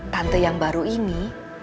tante yang baru ini